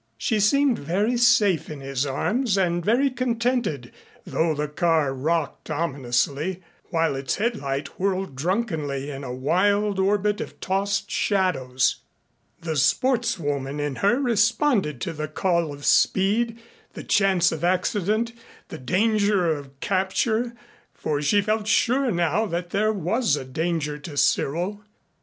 She seemed very safe in his arms and very contented though the car rocked ominously, while its headlight whirled drunkenly in a wild orbit of tossed shadows. The sportswoman in her responded to the call of speed, the chance of accident, the danger of capture for she felt sure now that there was a danger to Cyril.